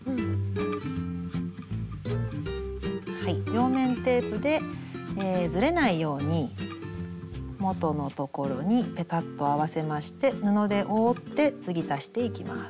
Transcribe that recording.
両面テープでずれないように元のところにペタッと合わせまして布で覆って継ぎ足していきます。